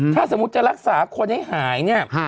ถ้าสมมุติจะรักษาคนให้หาย